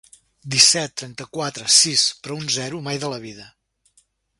Disset, trenta-quatre, sis—, però un zero mai de la vida.